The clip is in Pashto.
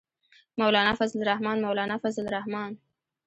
مولانا فضل الرحمن، مولانا فضل الرحمن.